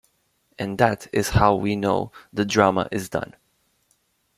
And that is how we know the Drama is done.